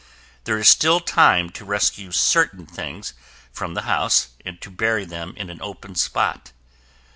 There is still time to rescue certain things from the house and to bury them in an open spot.